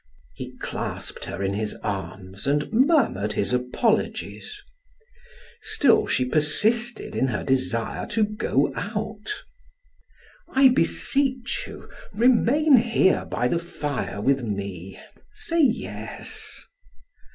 He clasped her in his arms and murmured his apologies. Still she persisted in her desire to go out. "I beseech you, remain here by the fire with me. Say yes."